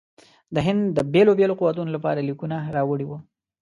د هند د بېلو بېلو قوتونو لپاره لیکونه راوړي وه.